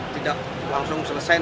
tidak langsung selesai